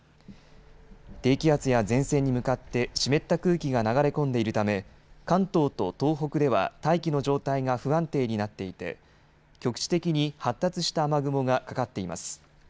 低気圧や前線に向かって湿った空気が流れ込んでいるため関東と東北では大気の状態が不安定になっていて局地的に発達した雨雲がかかっています。